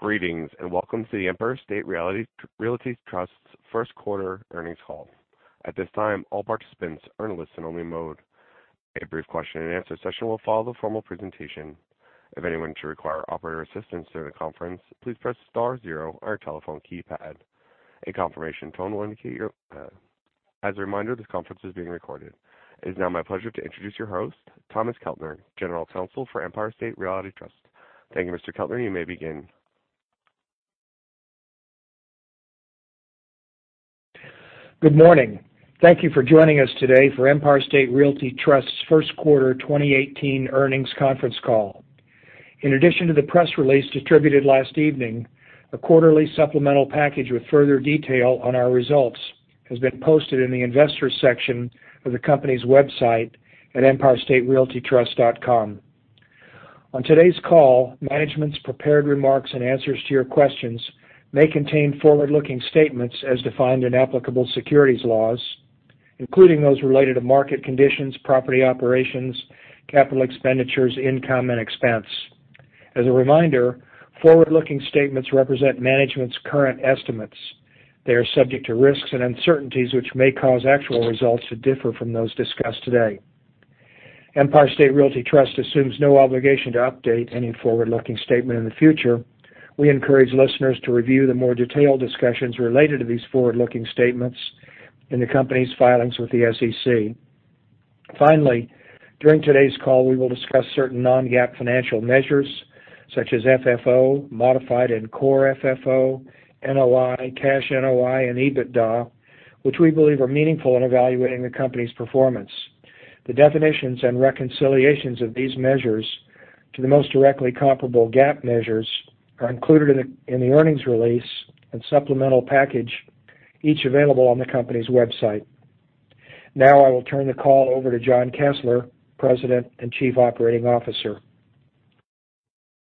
Greetings, and welcome to the Empire State Realty Trust's first quarter earnings call. At this time, all participants are in a listen-only mode. A brief question-and-answer session will follow the formal presentation. If anyone should require operator assistance during the conference, please press star zero on your telephone keypad. As a reminder, this conference is being recorded. It is now my pleasure to introduce your host, Thomas Keltner, General Counsel for Empire State Realty Trust. Thank you, Mr. Keltner. You may begin. Good morning. Thank you for joining us today for Empire State Realty Trust's first quarter 2018 earnings conference call. In addition to the press release distributed last evening, a quarterly supplemental package with further detail on our results has been posted in the Investors section of the company's website at esrtreit.com. On today's call, management's prepared remarks and answers to your questions may contain forward-looking statements as defined in applicable securities laws, including those related to market conditions, property operations, capital expenditures, income, and expense. As a reminder, forward-looking statements represent management's current estimates. They are subject to risks and uncertainties, which may cause actual results to differ from those discussed today. Empire State Realty Trust assumes no obligation to update any forward-looking statement in the future. We encourage listeners to review the more detailed discussions related to these forward-looking statements in the company's filings with the SEC. Finally, during today's call, we will discuss certain non-GAAP financial measures such as FFO, modified and Core FFO, NOI, cash NOI, and EBITDA, which we believe are meaningful in evaluating the company's performance. The definitions and reconciliations of these measures to the most directly comparable GAAP measures are included in the earnings release and supplemental package, each available on the company's website. Now I will turn the call over to John Kessler, President and Chief Operating Officer.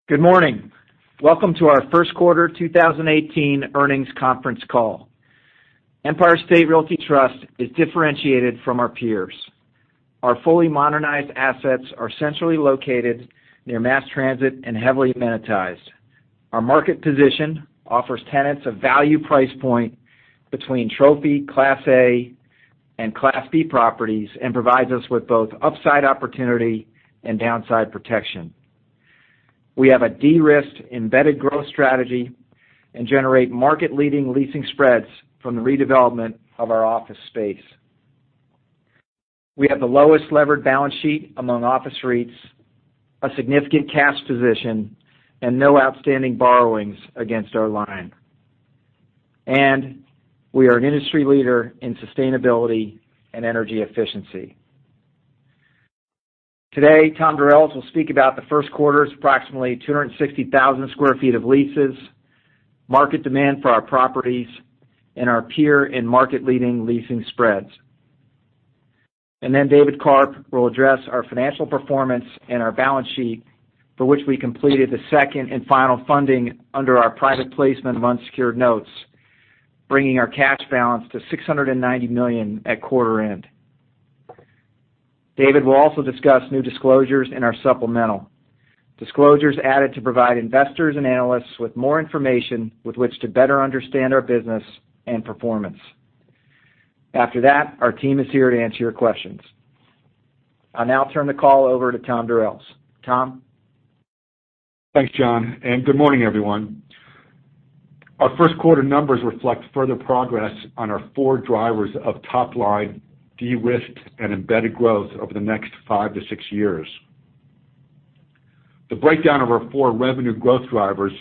Good morning. Welcome to our first quarter 2018 earnings conference call. Empire State Realty Trust is differentiated from our peers. Our fully modernized assets are centrally located near mass transit and heavily amenitized. Our market position offers tenants a value price point between trophy Class A and Class B properties and provides us with both upside opportunity and downside protection. We have a de-risked embedded growth strategy and generate market-leading leasing spreads from the redevelopment of our office space. We have the lowest levered balance sheet among office REITs, a significant cash position, and no outstanding borrowings against our line. We are an industry leader in sustainability and energy efficiency. Today, Thomas Durels will speak about the first quarter's approximately 260,000 sq ft of leases, market demand for our properties, and our peer and market-leading leasing spreads. David Karp will address our financial performance and our balance sheet, for which we completed the second and final funding under our private placement of unsecured notes, bringing our cash balance to $690 million at quarter end. David will also discuss new disclosures in our supplemental. Disclosures added to provide investors and analysts with more information with which to better understand our business and performance. After that, our team is here to answer your questions. I'll now turn the call over to Thomas Durels. Tom? Thanks, John, and good morning, everyone. Our first quarter numbers reflect further progress on our four drivers of top-line de-risked and embedded growth over the next five to six years. The breakdown of our four revenue growth drivers,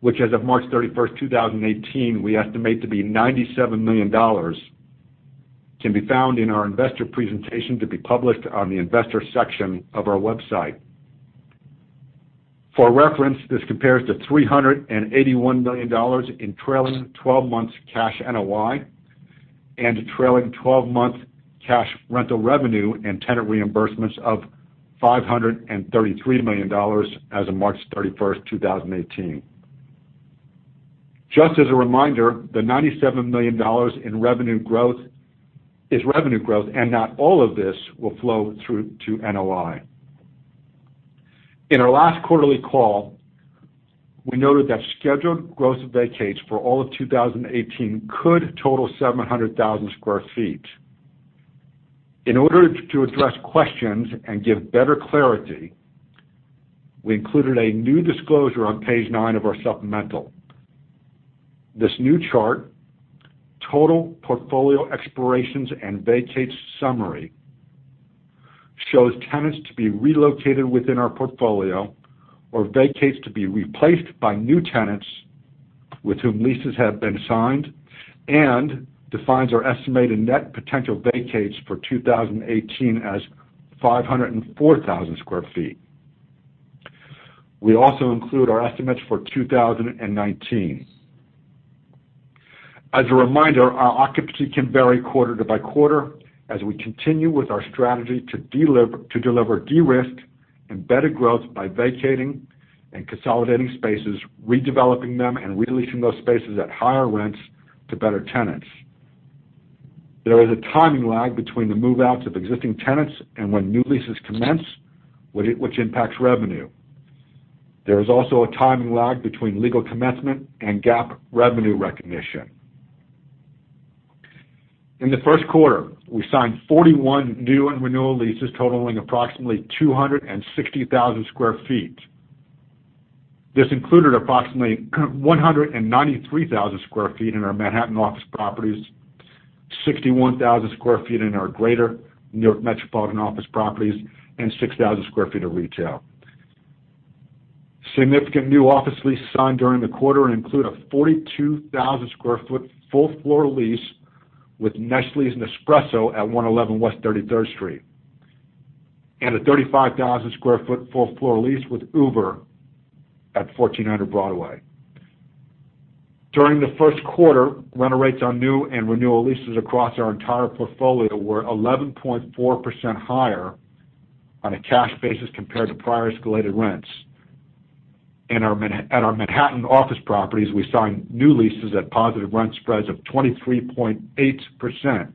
which as of March 31st, 2018, we estimate to be $97 million, can be found in our Investors section of our website. For reference, this compares to $381 million in trailing 12 months cash NOI and trailing 12-month cash rental revenue and tenant reimbursements of $533 million as of March 31st, 2018. Just as a reminder, the $97 million in revenue growth is revenue growth, and not all of this will flow through to NOI. In our last quarterly call, we noted that scheduled gross vacates for all of 2018 could total 700,000 sq ft. In order to address questions and give better clarity, we included a new disclosure on page nine of our supplemental. This new chart, Total Portfolio Expirations and Vacates Summary, shows tenants to be relocated within our portfolio or vacates to be replaced by new tenants with whom leases have been signed and defines our estimated net potential vacates for 2018 as 504,000 sq ft. We also include our estimates for 2019. As a reminder, our occupancy can vary quarter by quarter as we continue with our strategy to deliver de-risked embedded growth by vacating and consolidating spaces, redeveloping them, and re-leasing those spaces at higher rents to better tenants. There is a timing lag between the move-outs of existing tenants and when new leases commence, which impacts revenue. There is also a timing lag between legal commencement and GAAP revenue recognition. In the first quarter, we signed 41 new and renewal leases totaling approximately 260,000 sq ft. This included approximately 193,000 sq ft in our Manhattan office properties, 61,000 sq ft in our Greater New York Metropolitan office properties, and 6,000 sq ft of retail. Significant new office leases signed during the quarter include a 42,000 sq ft full-floor lease with Nestlé and Nespresso at 111 West 33rd Street, and a 35,000 sq ft full-floor lease with Uber at 1400 Broadway. During the first quarter, rental rates on new and renewal leases across our entire portfolio were 11.4% higher on a cash basis compared to prior escalated rents. At our Manhattan office properties, we signed new leases at positive rent spreads of 23.8%.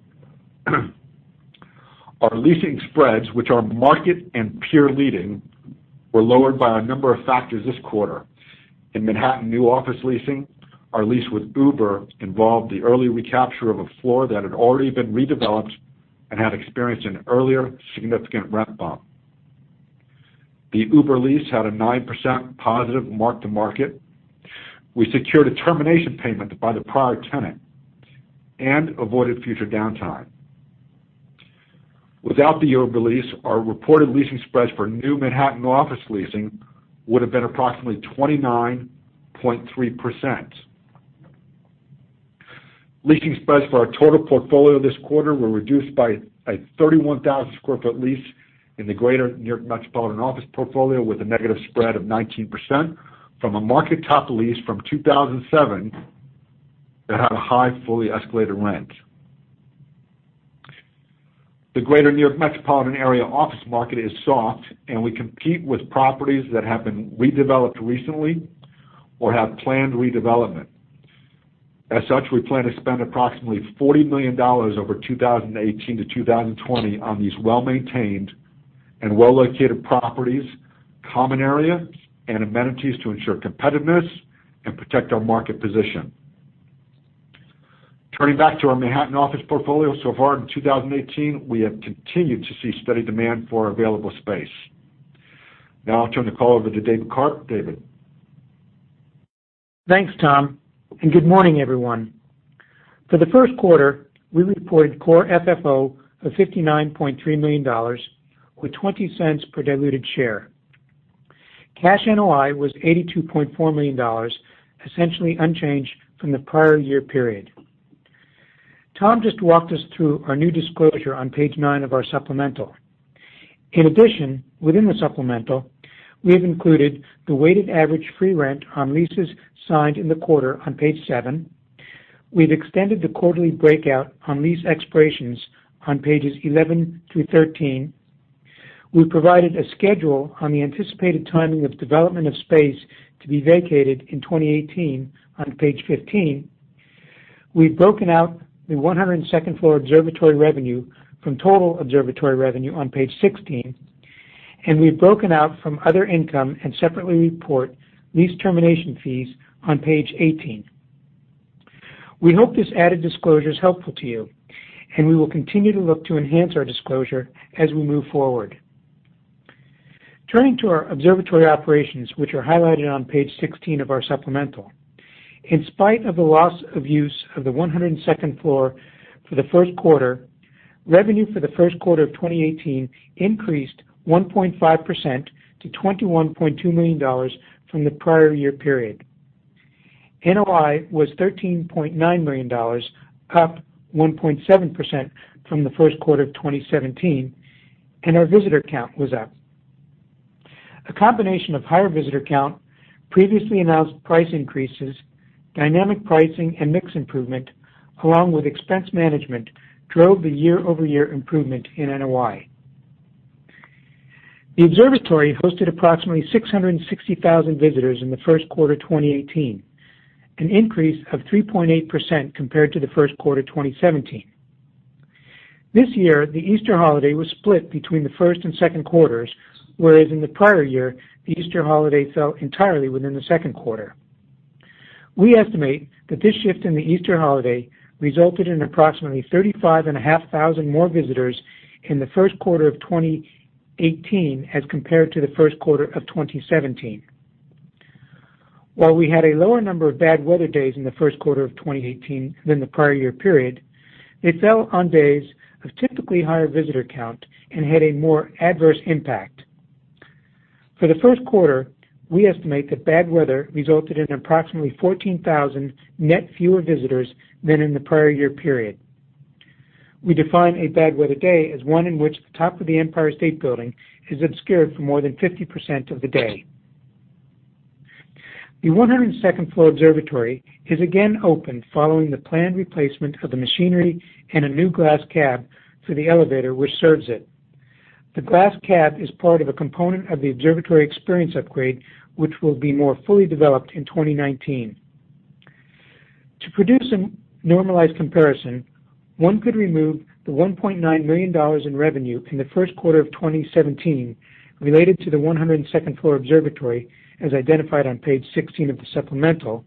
Our leasing spreads, which are market and peer leading, were lowered by a number of factors this quarter. In Manhattan new office leasing, our lease with Uber involved the early recapture of a floor that had already been redeveloped and had experienced an earlier significant rent bump. The Uber lease had a 9% positive mark-to-market. We secured a termination payment by the prior tenant and avoided future downtime. Without the Uber lease, our reported leasing spreads for new Manhattan office leasing would have been approximately 29.3%. Leasing spreads for our total portfolio this quarter were reduced by a 31,000 sq ft lease in the Greater New York Metropolitan office portfolio with a negative spread of 19%, from a market top lease from 2007 that had a high fully escalated rent. The Greater New York Metropolitan area office market is soft, and we compete with properties that have been redeveloped recently or have planned redevelopment. We plan to spend approximately $40 million over 2018 to 2020 on these well-maintained and well-located properties, common areas, and amenities to ensure competitiveness and protect our market position. Turning back to our Manhattan office portfolio, so far in 2018, we have continued to see steady demand for available space. I'll turn the call over to David Karp. David? Thanks, Tom, good morning, everyone. For the first quarter, we reported Core FFO of $59.3 million with $0.20 per diluted share. Cash NOI was $82.4 million, essentially unchanged from the prior year period. Tom just walked us through our new disclosure on page nine of our supplemental. In addition, within the supplemental, we have included the weighted average free rent on leases signed in the quarter on page seven. We've extended the quarterly breakout on lease expirations on pages 11 through 13. We've provided a schedule on the anticipated timing of development of space to be vacated in 2018 on page 15. We've broken out the 102nd floor observatory revenue from total observatory revenue on page 16. We've broken out from other income and separately report lease termination fees on page 18. We hope this added disclosure is helpful to you. We will continue to look to enhance our disclosure as we move forward. Turning to our observatory operations, which are highlighted on page 16 of our supplemental. In spite of the loss of use of the 102nd floor for the first quarter, revenue for the first quarter of 2018 increased 1.5% to $21.2 million from the prior year period. NOI was $13.9 million, up 1.7% from the first quarter of 2017. Our visitor count was up. A combination of higher visitor count, previously announced price increases, dynamic pricing, and mix improvement, along with expense management, drove the year-over-year improvement in NOI. The observatory hosted approximately 660,000 visitors in the first quarter 2018, an increase of 3.8% compared to the first quarter 2017. This year, the Easter holiday was split between the first and second quarters, whereas in the prior year, the Easter holiday fell entirely within the second quarter. We estimate that this shift in the Easter holiday resulted in approximately 35,500 more visitors in the first quarter of 2018 as compared to the first quarter of 2017. While we had a lower number of bad weather days in the first quarter of 2018 than the prior year period, they fell on days of typically higher visitor count and had a more adverse impact. For the first quarter, we estimate that bad weather resulted in approximately 14,000 net fewer visitors than in the prior year period. We define a bad weather day as one in which the top of the Empire State Building is obscured for more than 50% of the day. The 102nd floor observatory is again open following the planned replacement of the machinery and a new glass cab for the elevator which serves it. The glass cab is part of a component of the observatory experience upgrade, which will be more fully developed in 2019. To produce a normalized comparison, one could remove the $1.9 million in revenue in the first quarter of 2017 related to the 102nd floor observatory, as identified on page 16 of the supplemental.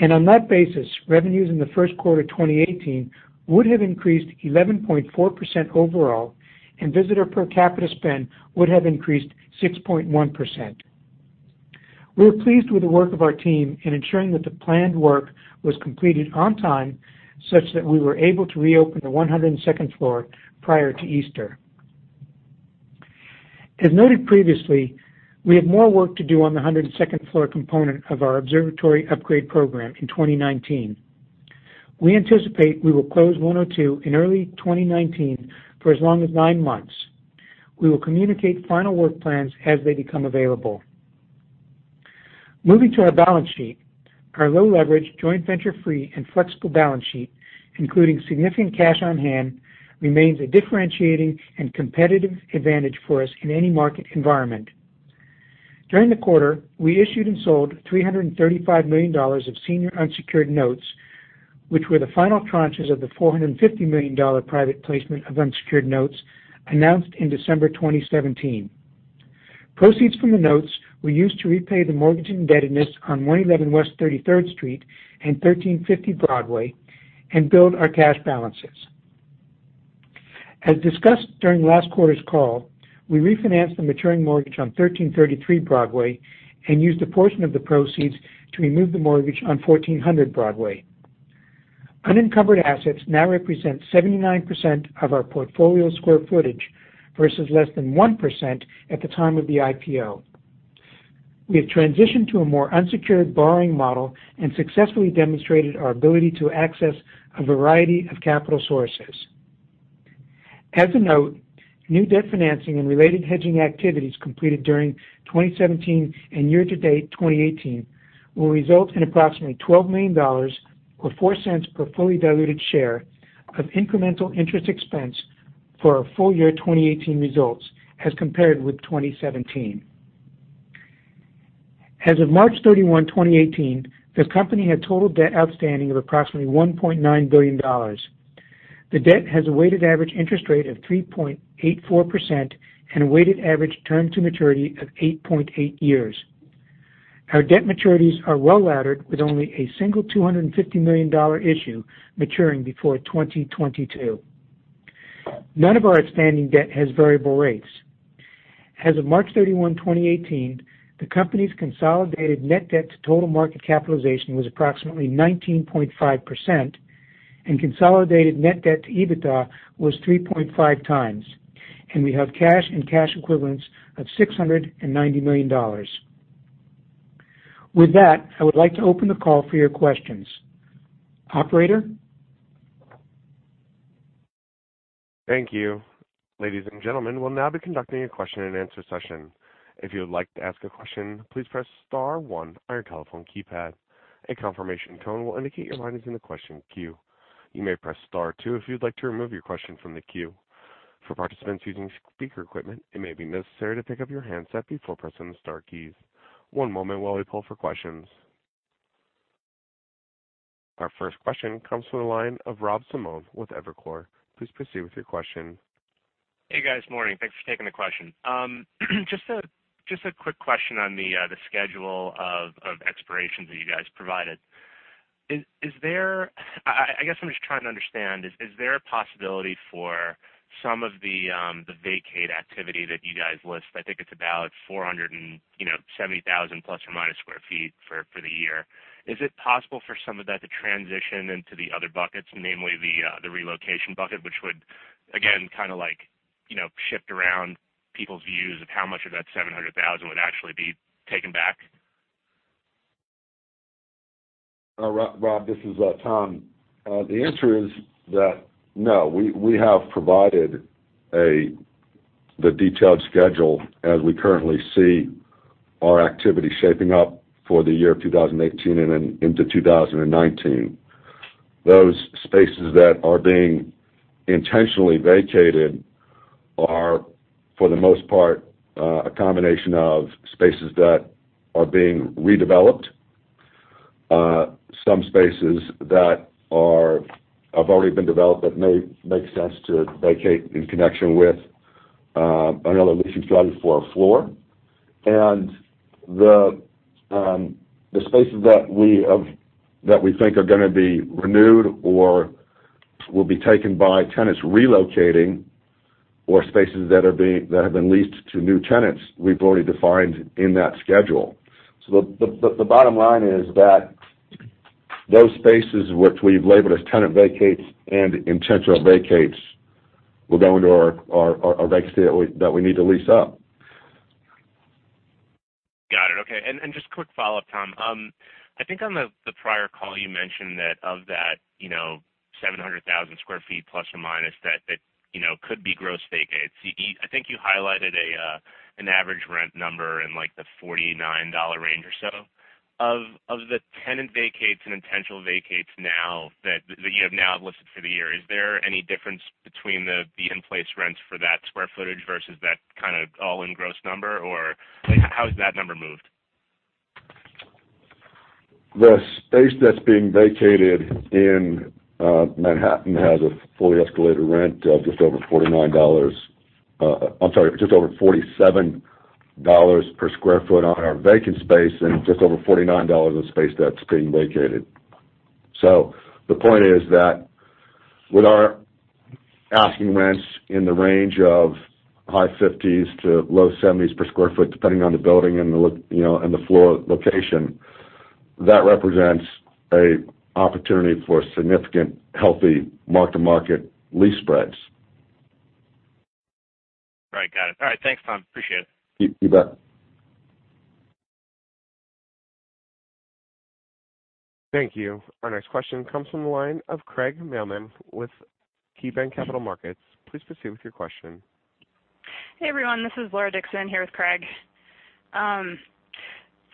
On that basis, revenues in the first quarter of 2018 would have increased 11.4% overall, and visitor per capita spend would have increased 6.1%. We are pleased with the work of our team in ensuring that the planned work was completed on time, such that we were able to reopen the 102nd floor prior to Easter. As noted previously, we have more work to do on the 102nd floor component of our observatory upgrade program in 2019. We anticipate we will close 102 in early 2019 for as long as nine months. We will communicate final work plans as they become available. Moving to our balance sheet. Our low leverage, joint venture free, and flexible balance sheet, including significant cash on hand, remains a differentiating and competitive advantage for us in any market environment. During the quarter, we issued and sold $335 million of senior unsecured notes, which were the final tranches of the $450 million private placement of unsecured notes announced in December 2017. Proceeds from the notes were used to repay the mortgage indebtedness on 111 West 33rd Street and 1350 Broadway and build our cash balances. As discussed during last quarter's call, we refinanced the maturing mortgage on 1333 Broadway and used a portion of the proceeds to remove the mortgage on 1400 Broadway. Unencumbered assets now represent 79% of our portfolio square footage versus less than 1% at the time of the IPO. We have transitioned to a more unsecured borrowing model and successfully demonstrated our ability to access a variety of capital sources. As a note, new debt financing and related hedging activities completed during 2017 and year to date 2018 will result in approximately $12 million or $0.04 per fully diluted share of incremental interest expense for our full year 2018 results as compared with 2017. As of March 31, 2018, the company had total debt outstanding of approximately $1.9 billion. The debt has a weighted average interest rate of 3.84% and a weighted average term to maturity of 8.8 years. Our debt maturities are well-laddered with only a single $250 million issue maturing before 2022. None of our outstanding debt has variable rates. As of March 31, 2018, the company's consolidated net debt to total market capitalization was approximately 19.5% and consolidated net debt to EBITDA was 3.5 times, and we have cash and cash equivalents of $690 million. With that, I would like to open the call for your questions. Operator? Thank you. Ladies and gentlemen, we'll now be conducting a question and answer session. If you would like to ask a question, please press star one on your telephone keypad. A confirmation tone will indicate your line is in the question queue. You may press star two if you'd like to remove your question from the queue. For participants using speaker equipment, it may be necessary to pick up your handset before pressing the star keys. One moment while we pull for questions. Our first question comes from the line of Rob Simone with Evercore. Please proceed with your question. Hey, guys. Morning. Thanks for taking the question. Just a quick question on the schedule of expirations that you guys provided. I guess I'm just trying to understand, is there a possibility for some of the vacate activity that you guys list, I think it's about 470,000 plus or minus sq ft for the year. Is it possible for some of that to transition into the other buckets, namely the relocation bucket, which would, again, kind of like shift around people's views of how much of that 700,000 would actually be taken back? Rob, this is Tom. The answer is that, no. We have provided the detailed schedule as we currently see our activity shaping up for the year of 2018 and then into 2019. Those spaces that are being intentionally vacated are, for the most part, a combination of spaces that are being redeveloped. Some spaces that have already been developed that may make sense to vacate in connection with another leasing strategy for a floor. The spaces that we think are going to be renewed or will be taken by tenants relocating or spaces that have been leased to new tenants, we've already defined in that schedule. The bottom line is that those spaces which we've labeled as tenant vacates and intentional vacates will go into our vacancy that we need to lease up. Got it. Okay. Just quick follow-up, Tom. I think on the prior call you mentioned that of that 700,000 square feet plus or minus that could be gross vacates. I think you highlighted an average rent number in like the $49 range or so. Of the tenant vacates and intentional vacates now that you have now listed for the year, is there any difference between the in-place rents for that square footage versus that kind of all-in gross number, or how has that number moved? The space that's being vacated in Manhattan has a fully escalated rent of just over $49 I'm sorry, just over $47 per square foot on our vacant space and just over $49 a space that's being vacated. The point is that with our asking rents in the range of high 50s to low 70s per square foot, depending on the building and the floor location, that represents an opportunity for significant healthy mark-to-market lease spreads. Right. Got it. All right. Thanks, Tom. Appreciate it. You bet. Thank you. Our next question comes from the line of Craig Mailman with KeyBanc Capital Markets. Please proceed with your question. Hey, everyone, this is Laura Dickson here with Craig.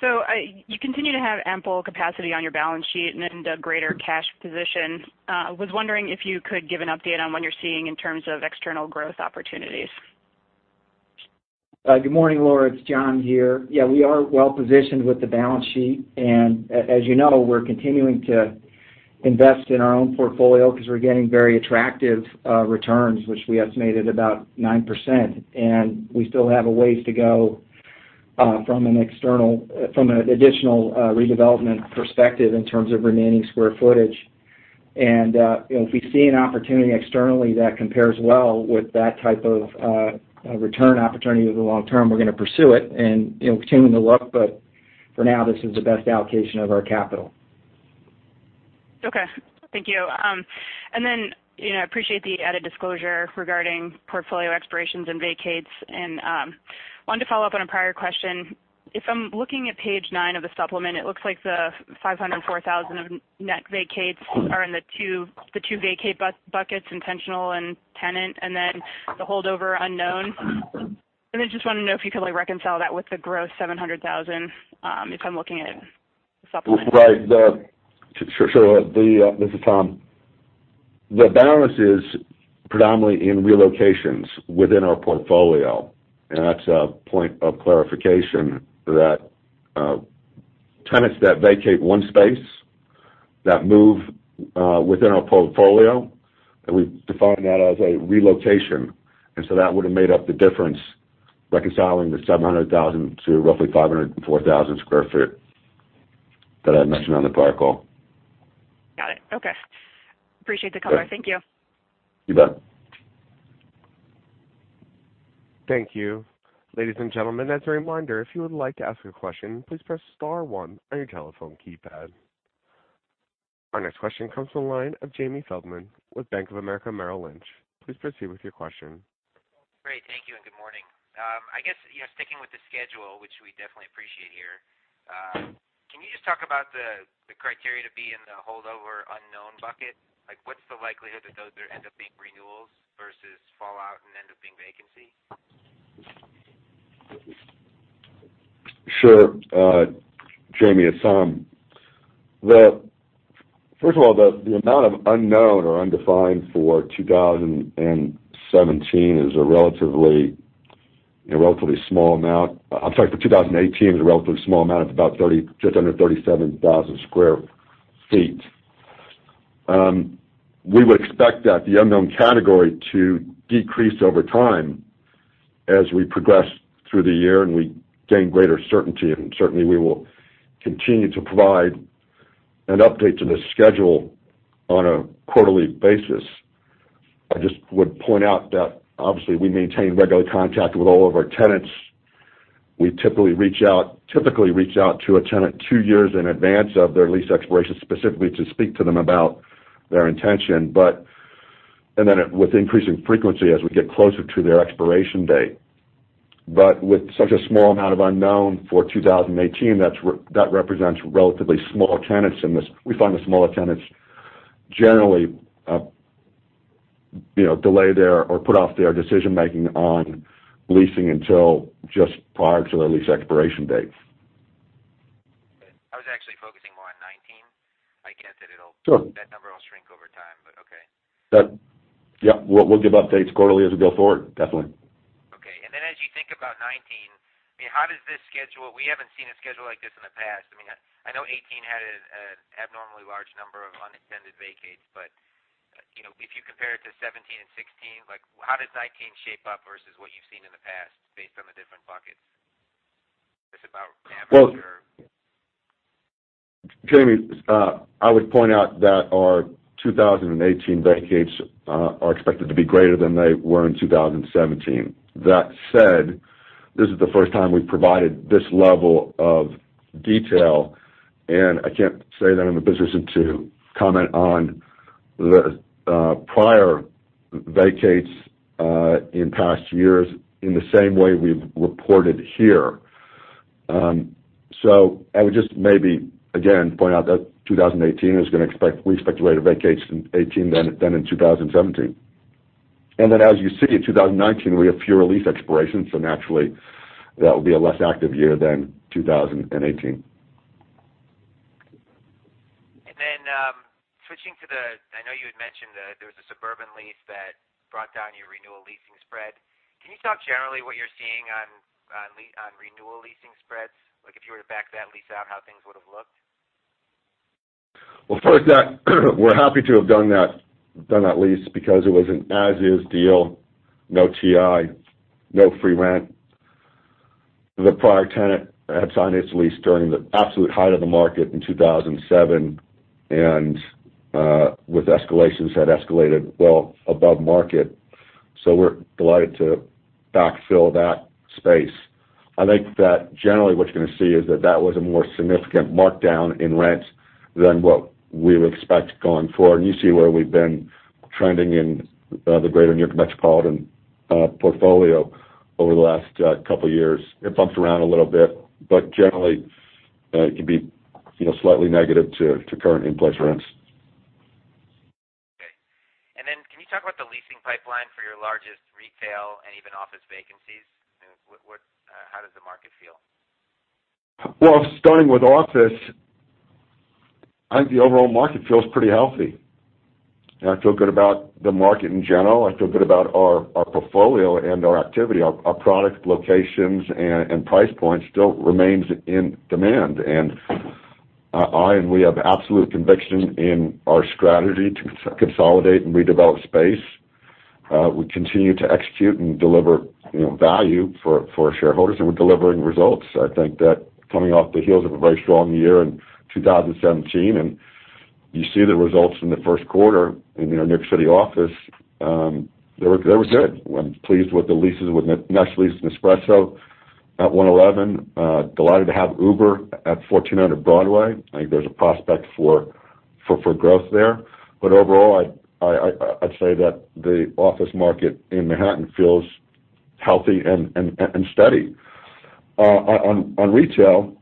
You continue to have ample capacity on your balance sheet and a greater cash position. I was wondering if you could give an update on what you're seeing in terms of external growth opportunities. Good morning, Laura. It's John here. We are well-positioned with the balance sheet, and as you know, we're continuing to invest in our own portfolio because we're getting very attractive returns, which we estimate at about 9%, and we still have a ways to go from an additional redevelopment perspective in terms of remaining square footage. If we see an opportunity externally that compares well with that type of return opportunity over the long term, we're going to pursue it, and continuing to look, but for now, this is the best allocation of our capital. Okay. Thank you. I appreciate the added disclosure regarding portfolio expirations and vacates. Wanted to follow up on a prior question. If I'm looking at page nine of the supplement, it looks like the 504,000 of net vacates are in the two vacate buckets, intentional and tenant, and then the holdover unknown. I just want to know if you can really reconcile that with the gross 700,000, if I'm looking at it in the supplement. Right. Sure. This is Tom. The balance is predominantly in relocations within our portfolio, and that's a point of clarification that tenants that vacate one space, that move within our portfolio. We define that as a relocation. That would have made up the difference reconciling the 700,000 to roughly 504,000 square foot that I mentioned on the prior call. Got it. Okay. Appreciate the color. Yeah. Thank you. You bet. Thank you. Ladies and gentlemen, as a reminder, if you would like to ask a question, please press star one on your telephone keypad. Our next question comes from the line of Jamie Feldman with Bank of America Merrill Lynch. Please proceed with your question. Great. Thank you, and good morning. I guess, sticking with the schedule, which we definitely appreciate here, can you just talk about the criteria to be in the holdover unknown bucket? What's the likelihood that those end up being renewals versus fallout and end up being vacancy? Sure. Jamie, it's Tom. First of all, the amount of unknown or undefined for 2017 is a relatively small amount for 2018, is a relatively small amount of just under 37,000 square feet. We would expect that the unknown category to decrease over time as we progress through the year and we gain greater certainty, and certainly we will continue to provide an update to this schedule on a quarterly basis. I just would point out that obviously we maintain regular contact with all of our tenants. We typically reach out to a tenant two years in advance of their lease expiration specifically to speak to them about their intention, and then with increasing frequency as we get closer to their expiration date. With such a small amount of unknown for 2018, that represents relatively small tenants in this. We find the smaller tenants generally delay their or put off their decision-making on leasing until just prior to their lease expiration date. I was actually focusing more on 2019. I get that- Sure that number will shrink over time, but okay. Yeah. We'll give updates quarterly as we go forward, definitely. Okay. As you think about 2019, how does this schedule We haven't seen a schedule like this in the past. I know 2018 had an abnormally large number of unintended vacates, but, if you compare it to 2017 and 2016, how does 2019 shape up versus what you've seen in the past based on the different buckets? Just about average, or? Jamie, I would point out that our 2018 vacates are expected to be greater than they were in 2017. That said, this is the first time we've provided this level of detail, and I can't say that I'm in the position to comment on the prior vacates in past years in the same way we've reported here. I would just maybe, again, point out that 2018, we expect greater vacates in '18 than in 2017. As you see, in 2019, we have fewer lease expirations, so naturally, that will be a less active year than 2018. Switching to the I know you had mentioned that there was a suburban lease that brought down your renewal leasing spread. Can you talk generally what you're seeing on renewal leasing spreads? Like if you were to back that lease out, how things would've looked? Well, first that, we're happy to have done that lease because it was an as-is deal, no TI, no free rent. The prior tenant had signed its lease during the absolute height of the market in 2007, and with escalations had escalated well above market. We're delighted to backfill that space. I think that generally what you're going to see is that that was a more significant markdown in rents than what we would expect going forward. You see where we've been trending in the greater New York metropolitan portfolio over the last couple of years. It bumps around a little bit, but generally, it can be slightly negative to current in-place rents. Okay. Can you talk about the leasing pipeline for your largest retail and even office vacancies? How does the market feel? Well, starting with office, I think the overall market feels pretty healthy. I feel good about the market in general. I feel good about our portfolio and our activity, our product locations, and price points still remains in demand. I, and we, have absolute conviction in our strategy to consolidate and redevelop space. We continue to execute and deliver value for shareholders, and we're delivering results. I think that coming off the heels of a very strong year in 2017, and you see the results from the first quarter in the New York City office, they were good. I'm pleased with the leases, with Nestlé and Nespresso at 111. Delighted to have Uber at 1400 Broadway. I think there's a prospect for growth there. Overall, I'd say that the office market in Manhattan feels healthy and steady. On retail,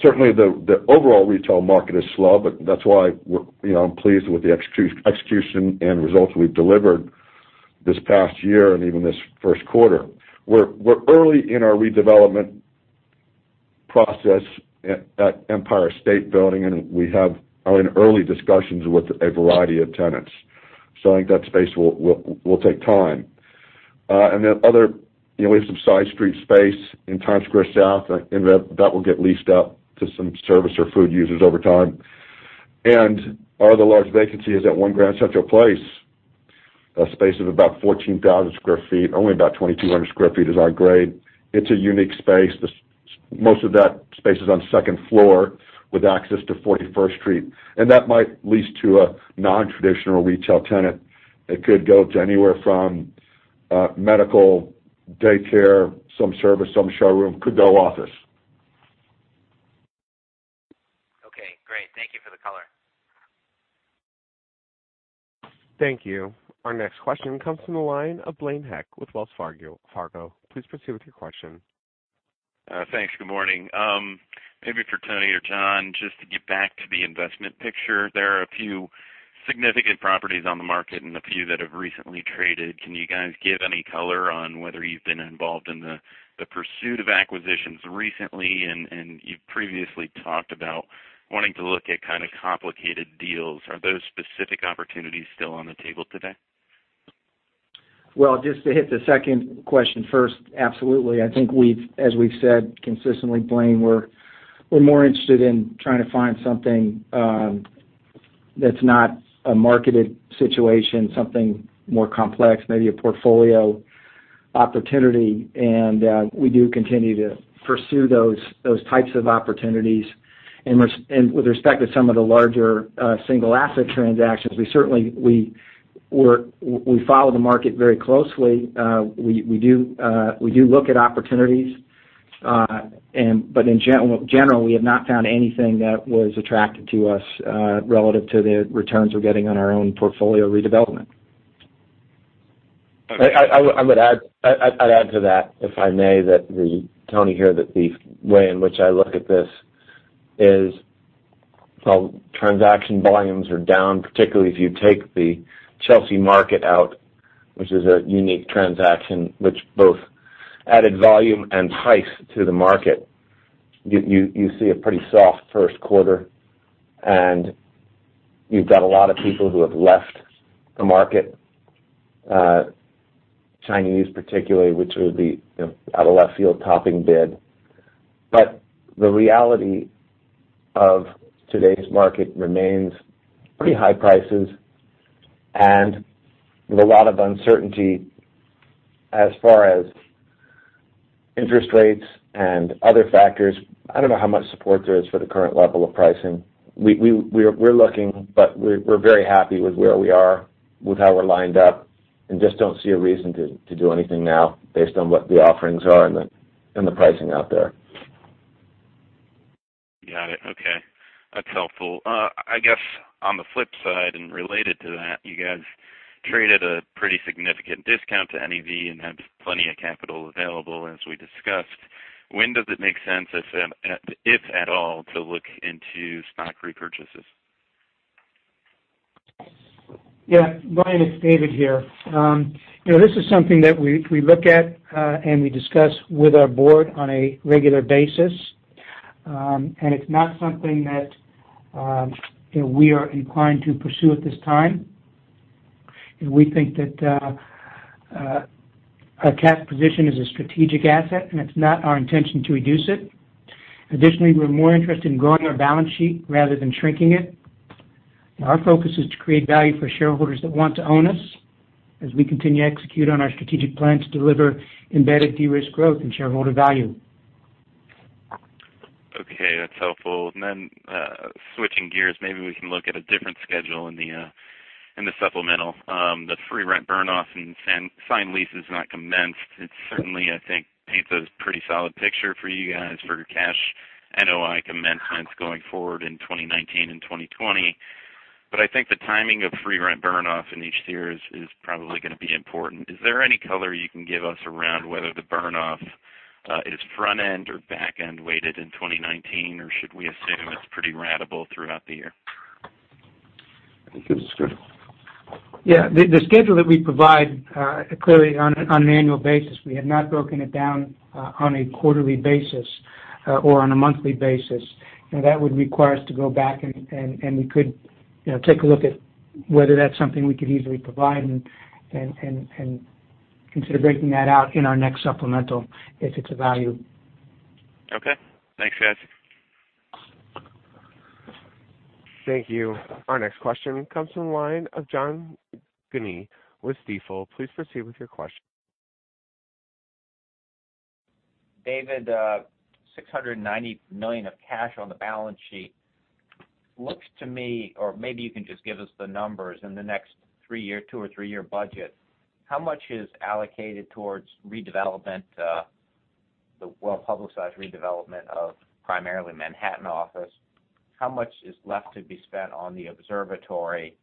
certainly the overall retail market is slow, but that's why I'm pleased with the execution and results we've delivered this past year and even this first quarter. We're early in our redevelopment process at Empire State Building, and we have early discussions with a variety of tenants. I think that space will take time. Other, we have some side street space in Times Square South, and that will get leased up to some service or food users over time. Our other large vacancy is at One Grand Central Place, a space of about 14,000 sq ft. Only about 2,200 sq ft is on grade. It's a unique space. Most of that space is on the second floor with access to 41st Street, and that might lease to a non-traditional retail tenant. It could go to anywhere from medical, daycare, some service, some showroom. It could go office. Okay, great. Thank you for the color. Thank you. Our next question comes from the line of Blaine Heck with Wells Fargo. Please proceed with your question. Thanks. Good morning. Maybe for Tony or John, just to get back to the investment picture. There are a few significant properties on the market and a few that have recently traded. Can you guys give any color on whether you've been involved in the pursuit of acquisitions recently? You've previously talked about wanting to look at kind of complicated deals. Are those specific opportunities still on the table today? Well, just to hit the second question first, absolutely. I think as we've said consistently, Blaine, we're more interested in trying to find something that's not a marketed situation, something more complex, maybe a portfolio opportunity. We do continue to pursue those types of opportunities. With respect to some of the larger single asset transactions, we follow the market very closely. We do look at opportunities, but in general, we have not found anything that was attractive to us, relative to the returns we're getting on our own portfolio redevelopment. I'd add to that, if I may, Tony here, that the way in which I look at this is transaction volumes are down, particularly if you take the Chelsea Market out, which is a unique transaction, which both added volume and price to the market. You see a pretty soft first quarter, and you've got a lot of people who have left the market, Chinese particularly, which was the out-of-left-field topping bid. The reality of today's market remains pretty high prices and with a lot of uncertainty as far as interest rates and other factors. I don't know how much support there is for the current level of pricing. We're looking, but we're very happy with where we are, with how we're lined up, and just don't see a reason to do anything now based on what the offerings are and the pricing out there. Got it. Okay. That's helpful. I guess on the flip side, and related to that, you guys traded a pretty significant discount to NAV and have plenty of capital available, as we discussed. When does it make sense, if at all, to look into stock repurchases? Yeah. Blaine, it's David here. This is something that we look at, and we discuss with our board on a regular basis. It's not something that we are inclined to pursue at this time. We think that our cash position is a strategic asset, and it's not our intention to reduce it. Additionally, we're more interested in growing our balance sheet rather than shrinking it. Our focus is to create value for shareholders that want to own us, as we continue to execute on our strategic plan to deliver embedded de-risk growth and shareholder value. Okay, that's helpful. Then, switching gears, maybe we can look at a different schedule in the supplemental. The free rent burn-off and signed lease is not commenced. It certainly, I think, paints a pretty solid picture for you guys for cash NOI commencements going forward in 2019 and 2020. I think the timing of free rent burn-off in each series is probably going to be important. Is there any color you can give us around whether the burn-off is front-end or back-end weighted in 2019? Should we assume it's pretty ratable throughout the year? I think it's a schedule. Yeah. The schedule that we provide, clearly on an annual basis, we have not broken it down on a quarterly basis or on a monthly basis. That would require us to go back, and we could take a look at whether that's something we could easily provide and consider breaking that out in our next supplemental, if it's of value. Okay. Thanks, guys. Thank you. Our next question comes from the line of John Kim with Stifel. Please proceed with your question. David, $690 million of cash on the balance sheet looks to me, or maybe you can just give us the numbers in the next two or three-year budget. How much is allocated towards the well-publicized redevelopment of primarily Manhattan office? How much is left to be spent on the Observatory?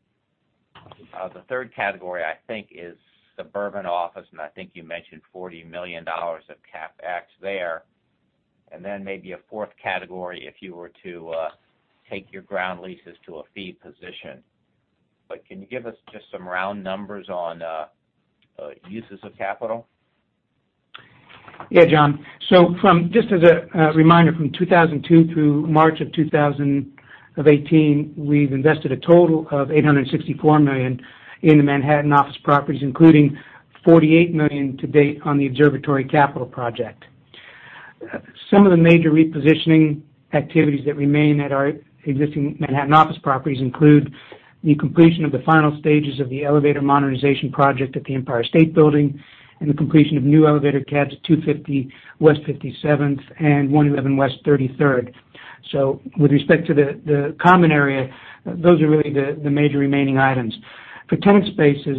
The third category, I think, is suburban office, and I think you mentioned $40 million of CapEx there. Then maybe a fourth category if you were to take your ground leases to a fee position. Can you give us just some round numbers on uses of capital? John. Just as a reminder, from 2002 through March 2018, we've invested a total of $864 million in the Manhattan office properties, including $48 million to date on the Observatory capital project. Some of the major repositioning activities that remain at our existing Manhattan office properties include the completion of the final stages of the elevator modernization project at the Empire State Building and the completion of new elevator cabs at 250 West 57th and 111 West 33rd. With respect to the common area, those are really the major remaining items. For tenant spaces,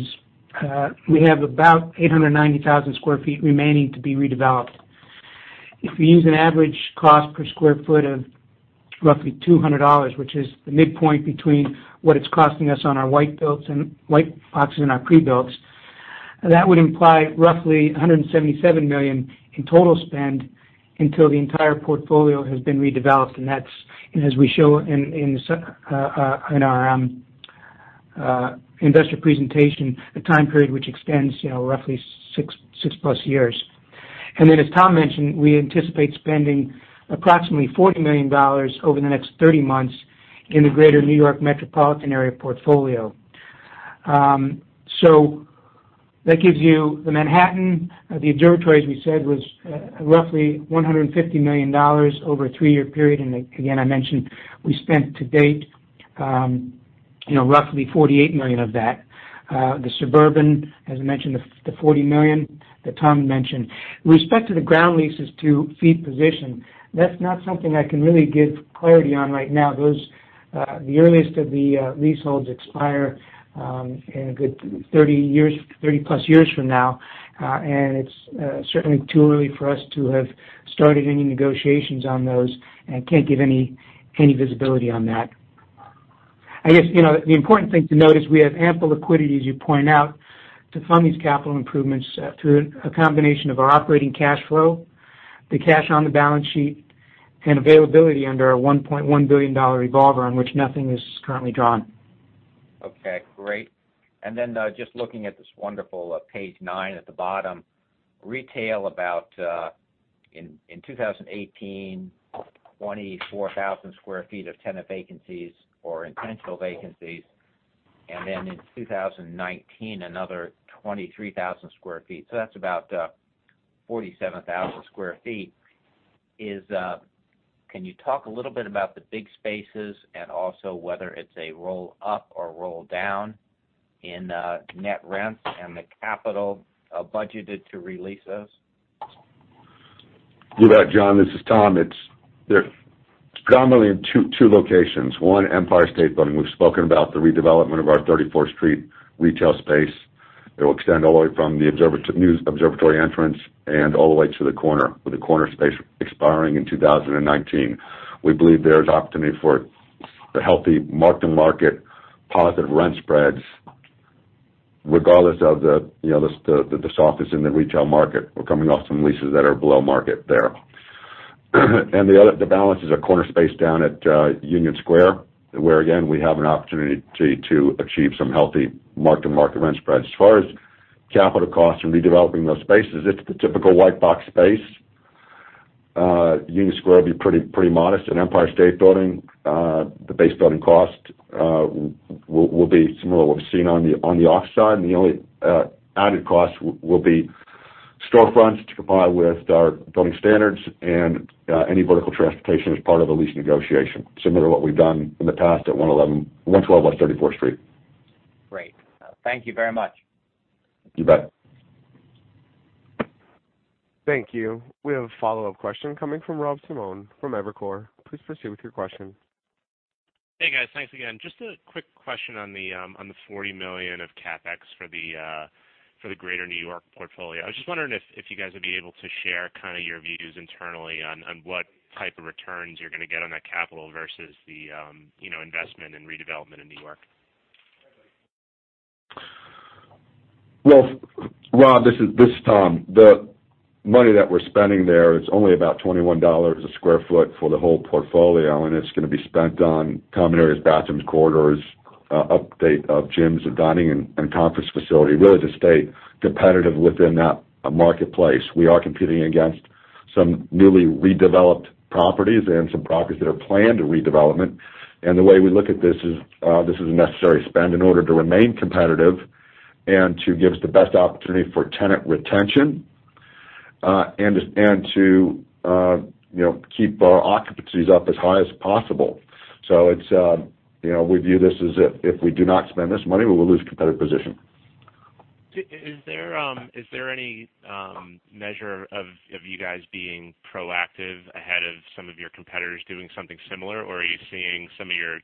we have about 890,000 square feet remaining to be redeveloped. If we use an average cost per square foot of roughly $200, which is the midpoint between what it's costing us on our white boxes and our pre-builts, that would imply roughly $177 million in total spend until the entire portfolio has been redeveloped. That's, as we show in our investor presentation, a time period which extends roughly six-plus years. As Tom mentioned, we anticipate spending approximately $40 million over the next 30 months in the greater New York metropolitan area portfolio. That gives you the Manhattan. The Observatory, as we said, was roughly $150 million over a three-year period. Again, I mentioned we spent to date roughly $48 million of that. The suburban, as I mentioned, the $40 million that Tom mentioned. With respect to the ground leases to fee position, that's not something I can really give clarity on right now. The earliest of the leaseholds expire in a good 30-plus years from now. It's certainly too early for us to have started any negotiations on those. Can't give any visibility on that. The important thing to note is we have ample liquidity, as you point out, to fund these capital improvements through a combination of our operating cash flow, the cash on the balance sheet, and availability under our $1.1 billion revolver on which nothing is currently drawn. Great. Just looking at this wonderful page nine at the bottom, retail about in 2018, 24,000 square feet of tenant vacancies or intentional vacancies. In 2019, another 23,000 square feet. That's about 47,000 square feet. Can you talk a little bit about the big spaces and also whether it's a roll-up or roll-down in net rents and the capital budgeted to re-lease those? You bet, John. This is Tom. They're predominantly in two locations. One, Empire State Building. We've spoken about the redevelopment of our 34th Street retail space that will extend all the way from the new Observatory entrance and all the way to the corner, with the corner space expiring in 2019. We believe there's opportunity for the healthy mark-to-market positive rent spreads. Regardless of the softness in the retail market, we're coming off some leases that are below market there. The balance is our corner space down at Union Square, where again, we have an opportunity to achieve some healthy mark-to-market rent spreads. As far as capital costs and redeveloping those spaces, it's the typical white box space. Union Square will be pretty modest at Empire State Building. The base building cost will be similar to what we've seen on the outside, the only added cost will be storefronts to comply with our building standards and any vertical transportation as part of the lease negotiation, similar to what we've done in the past at 112 West 34th Street. Great. Thank you very much. You bet. Thank you. We have a follow-up question coming from Rob Simone from Evercore. Please proceed with your question. Hey, guys. Thanks again. Just a quick question on the $40 million of CapEx for the Greater New York portfolio. I was just wondering if you guys would be able to share your views internally on what type of returns you're going to get on that capital versus the investment and redevelopment in New York. Well, Rob, this is Tom. The money that we're spending there is only about $21 a sq ft for the whole portfolio, and it's going to be spent on common areas, bathrooms, corridors, update of gyms, dining, and conference facility, really to stay competitive within that marketplace. We are competing against some newly redeveloped properties and some properties that are planned for redevelopment. The way we look at this is, this is a necessary spend in order to remain competitive and to give us the best opportunity for tenant retention, and to keep our occupancies up as high as possible. We view this as if we do not spend this money, we will lose competitive position. Is there any measure of you guys being proactive ahead of some of your competitors doing something similar? Are you seeing some of your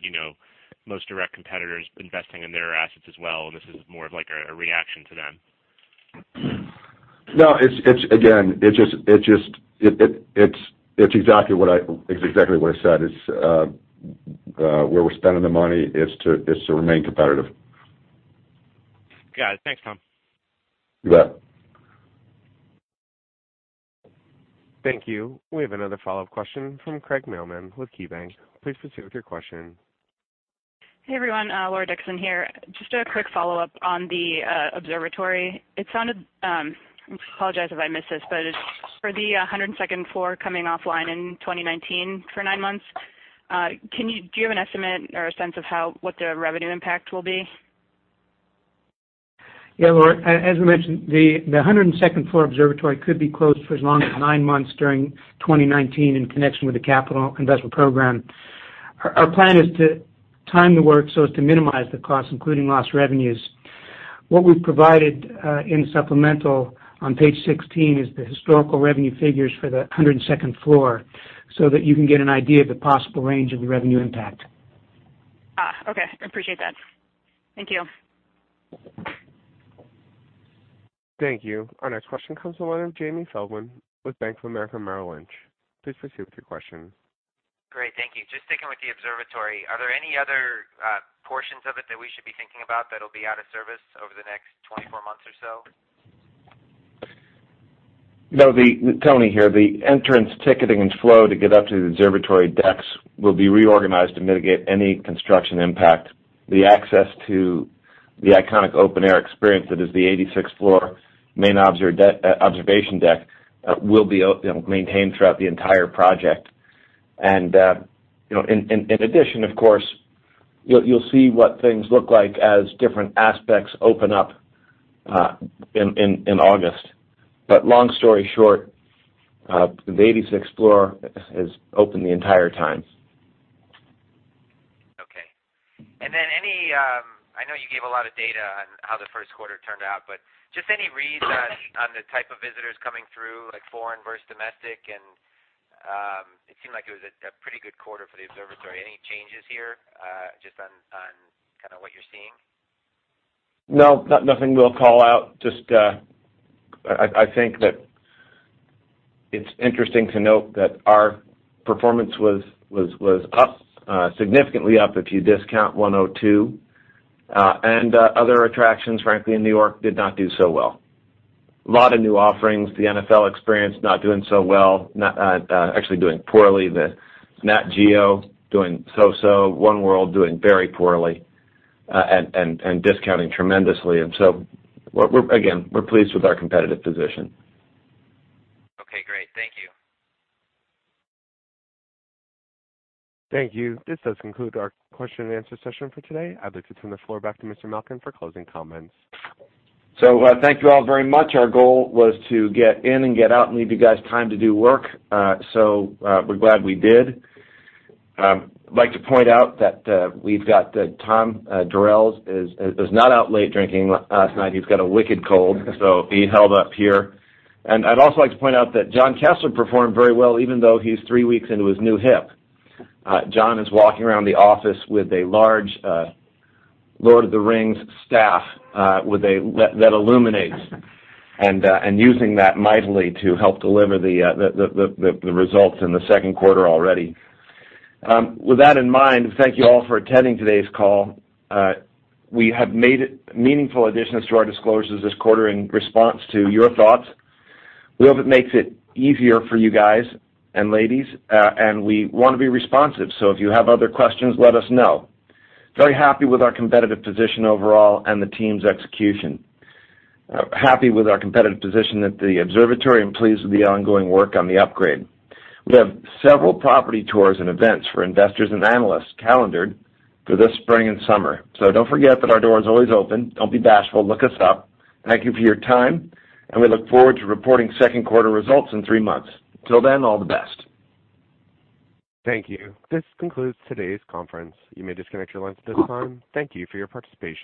most direct competitors investing in their assets as well, and this is more of a reaction to them? No, again, it's exactly what I said. Where we're spending the money is to remain competitive. Got it. Thanks, Tom. You bet. Thank you. We have another follow-up question from Craig Mailman with KeyBanc. Please proceed with your question. Hey, everyone. Laura Dickson here. Just a quick follow-up on the observatory. I apologize if I missed this, for the 102nd floor coming offline in 2019 for nine months, do you have an estimate or a sense of what the revenue impact will be? Laura, as we mentioned, the 102nd floor observatory could be closed for as long as nine months during 2019 in connection with the capital investment program. Our plan is to time the work so as to minimize the cost, including lost revenues. What we've provided in supplemental on page 16 is the historical revenue figures for the 102nd floor so that you can get an idea of the possible range of the revenue impact. Okay. I appreciate that. Thank you. Thank you. Our next question comes from the line of Jamie Feldman with Bank of America Merrill Lynch. Please proceed with your question. Great. Thank you. Just sticking with the observatory, are there any other portions of it that'll be out of service over the next 24 months or so? Tony here. The entrance ticketing and flow to get up to the observatory decks will be reorganized to mitigate any construction impact. The access to the iconic open-air experience, that is the 86th floor main observation deck, will be maintained throughout the entire project. In addition, of course, you'll see what things look like as different aspects open up in August. Long story short, the 86th floor is open the entire time. Okay. I know you gave a lot of data on how the first quarter turned out, but just any reads on the type of visitors coming through, like foreign versus domestic, and it seemed like it was a pretty good quarter for the observatory. Any changes here, just on what you're seeing? No, nothing we'll call out. Just, I think that it's interesting to note that our performance was up, significantly up, if you discount 102. Other attractions, frankly, in New York did not do so well. A lot of new offerings, the NFL Experience not doing so well, actually doing poorly. The National Geographic doing so-so. One World doing very poorly and discounting tremendously. Again, we're pleased with our competitive position. Okay, great. Thank you. Thank you. This does conclude our question and answer session for today. I'd like to turn the floor back to Mr. Malkin for closing comments. Thank you all very much. Our goal was to get in and get out and leave you guys time to do work. We're glad we did. I'd like to point out that we've got Tom Durels is not out late drinking last night. He's got a wicked cold, so he held up here. I'd also like to point out that John Kessler performed very well, even though he's three weeks into his new hip. John is walking around the office with a large "The Lord of the Rings" staff that illuminates, and using that mightily to help deliver the results in the second quarter already. With that in mind, thank you all for attending today's call. We have made meaningful additions to our disclosures this quarter in response to your thoughts. We hope it makes it easier for you guys and ladies, and we want to be responsive. If you have other questions, let us know. Very happy with our competitive position overall and the team's execution. Happy with our competitive position at the observatory and pleased with the ongoing work on the upgrade. We have several property tours and events for investors and analysts calendared for this spring and summer. Don't forget that our door is always open. Don't be bashful. Look us up. Thank you for your time, and we look forward to reporting second quarter results in three months. Till then, all the best. Thank you. This concludes today's conference. You may disconnect your lines at this time. Thank you for your participation.